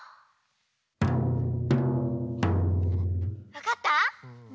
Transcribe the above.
わかった？